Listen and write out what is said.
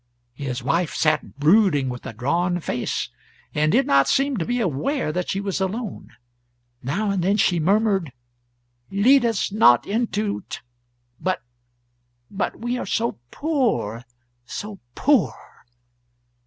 His wife sat brooding, with a drawn face, and did not seem to be aware that she was alone. Now and then she murmured, "Lead us not into t ... but but we are so poor, so poor!